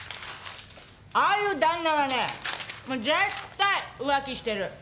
ああいう旦那はねもう絶対浮気してる。